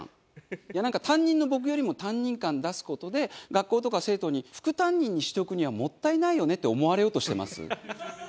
いやなんか担任の僕よりも担任感出す事で学校とか生徒に副担任にしておくはもったいないよねって思われようとしてます？